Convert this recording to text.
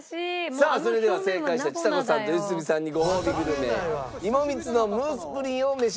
さあそれでは正解したちさ子さんと良純さんにごほうびグルメ芋蜜のムースプリンを召し上がっていただきましょう。